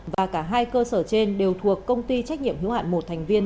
và cả hai cơ sở trên đều thuộc công ty trách nhiệm hữu hạn một thành viên